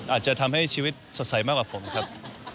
อาจจะทำให้ชีวิตสดใสมากกว่าผมครับ